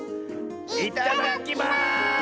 いただきます！